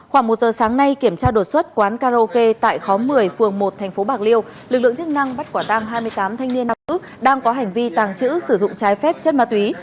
khoảng một giờ sáng nay kiểm tra đột xuất quán karaoke tại khóm một mươi phường một tp bạc liêu lực lượng chức năng bắt quả tăng hai mươi tám thanh niên nam nữ đang có hành vi tàng trữ sử dụng trái phép chất ma túy